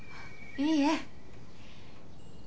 いいえ。